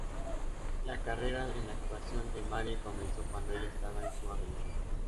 La carrera en la actuación de Marie comenzó cuando ella estaba en su adolescencia.